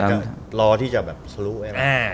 แต่ก็รอที่จะแบบสรุปไว้ไหม